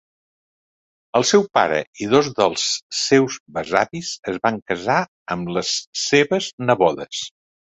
El seu pare i dos dels seus besavis es van casar amb les seves nebodes.